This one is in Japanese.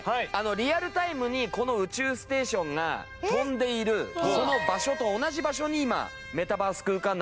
リアルタイムにこの宇宙ステーションが飛んでいるその場所と同じ場所に今メタバース空間内でもいるんです。